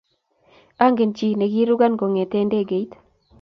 Angen chi nikirukan kongete ndegeit.